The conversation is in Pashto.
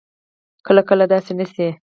کله کله داسې نه شي